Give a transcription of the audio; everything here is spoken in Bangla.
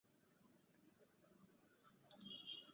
হোটেলটিতে আরো আছে স্পা এবং ব্যায়ামের সুব্যবস্থা।